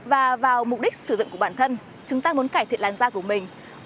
và vào mục đích sử dụng của bản thân chúng ta muốn cải thiện làn da của mình